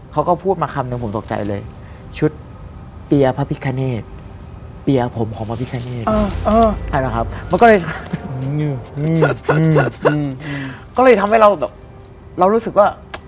ก็เลยทำให้เรารู้สึกว่า